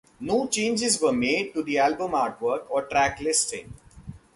No changes were made to the album artwork or track listing.